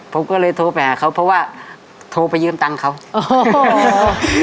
ผมก็เลยโทรไปหาเขาเพราะว่าโทรไปยืมตังค์เขาโอ้โห